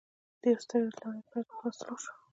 د یوې سترې لړۍ پیل په لوستلو وشو